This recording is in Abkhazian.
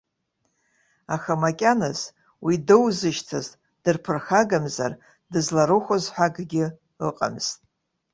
Аха макьаназ, уи доузышьҭыз дырԥырхагамзар дызларыхәоз ҳәа акгьы ыҟамызт.